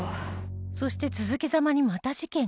そして続けざまにまた事件が